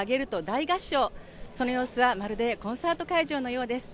大合唱、その様子はまるでコンサート会場のようです。